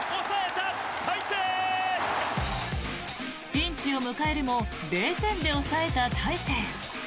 ピンチを迎えるも０点で抑えた大勢。